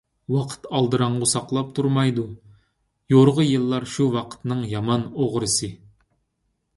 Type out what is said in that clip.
ۋاقىت ئالدىراڭغۇ ساقلاپ تۇرمايدۇ، يورغا يىللار شۇ ۋاقىتنىڭ يامان ئوغرىسى.